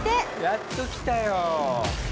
やっと来たよ！